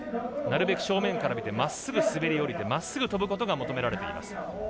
なるべく正面から見てまっすぐ滑り降りてまっすぐ飛ぶことが求められています。